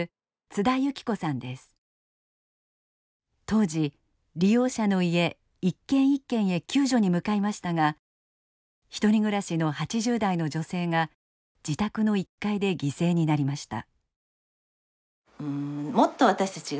当時利用者の家一軒一軒へ救助に向かいましたが１人暮らしの８０代の女性が自宅の１階で犠牲になりました。